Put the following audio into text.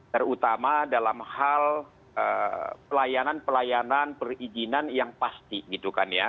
terutama dalam hal pelayanan pelayanan perizinan yang pasti gitu kan ya